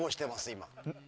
今。